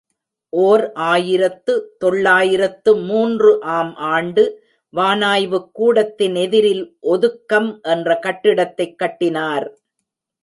ஓர் ஆயிரத்து தொள்ளாயிரத்து மூன்று ஆம் ஆண்டு வானாய்வுக் கூடத்தின் எதிரில் ஒதுக்கம் என்ற கட்டிடத்தைக் கட்டினார்.